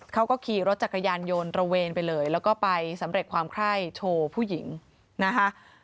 เขาก็ขี่รถจักรยานยนต์ระเวนไปเลยแล้วก็ไปสำเร็จความไคร้โชว์ผู้หญิงนะคะ